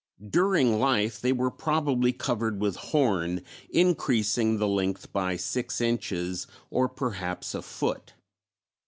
During life they were probably covered with horn increasing the length by six inches or perhaps a foot.